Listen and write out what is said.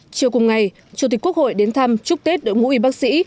chiều cùng ngày chủ tịch quốc hội đến thăm chúc tết đội ngũ y bác sĩ